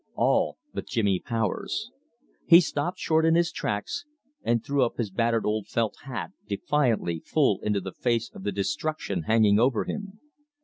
All but Jimmy Powers. He stopped short in his tracks, and threw his battered old felt hat defiantly full into the face of the destruction hanging over him.